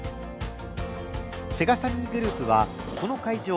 セガサミーグループはこの会場